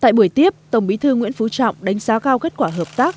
tại buổi tiếp tổng bí thư nguyễn phú trọng đánh giá cao kết quả hợp tác